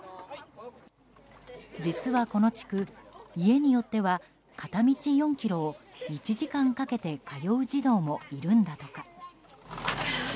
実はこの地区家によっては片道４ｋｍを１時間かけて通う児童もいるんだとか。